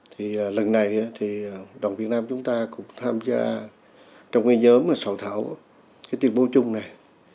thì lần này thì đoàn việt nam chúng ta cũng tham gia trong cái nhóm mà sự thảo cái tuyên bố chung này